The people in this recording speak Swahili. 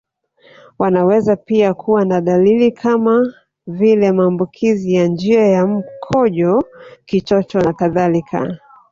Wanaweza pia kuwa na dalili kama vile maambukizi ya njia ya mkojo Kichocho nakadhalika